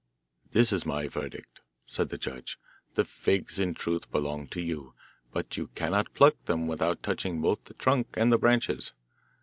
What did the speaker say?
'This is my verdict,' said the judge. 'The figs in truth belong to you, but you cannot pluck them without touching both the trunk and the branches.